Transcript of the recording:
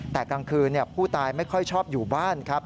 แต่กลางคืนผู้ตายไม่ค่อยชอบอยู่บ้านครับ